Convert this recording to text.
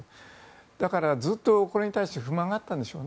だからずっとこれに対して不満があったんでしょうね。